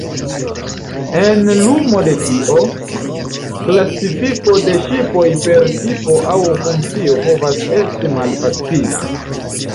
En lumo de tio, klasifiko de ŝipoj per tipo aŭ funkcio povas esti malfacila.